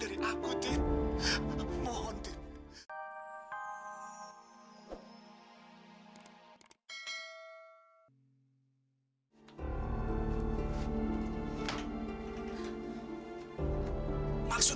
apa aku tidak cukup buat kamu tori